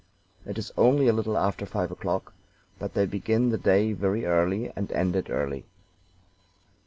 It is only a little after five o'clock, but they begin the day very early and end it early.